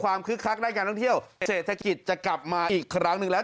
คึกคักด้านการท่องเที่ยวเศรษฐกิจจะกลับมาอีกครั้งหนึ่งแล้ว